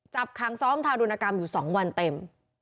ค้างซ้อมทารุณกรรมอยู่๒วันเต็ม